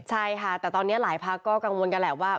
ใช่ค่ะแต่ตอนนี้หลายพักก็กังวลกันแหละว่า